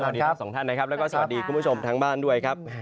ทั้งสองท่านนะครับแล้วก็สวัสดีคุณผู้ชมทั้งบ้านด้วยครับ